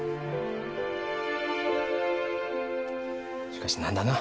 しかし何だな。